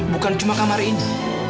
bukan cuma kamar ini